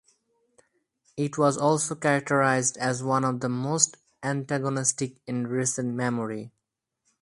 It was also characterized as one of the most antagonistic in recent memory.